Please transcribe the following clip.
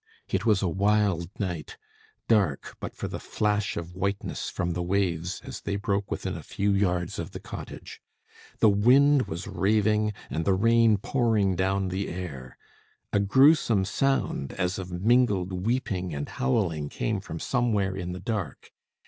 It was a wild night dark, but for the flash of whiteness from the waves as they broke within a few yards of the cottage; the wind was raving, and the rain pouring down the air. A gruesome sound as of mingled weeping and howling came from somewhere in the dark.